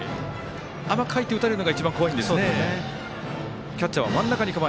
甘く入って打たれるのが一番怖いんですね。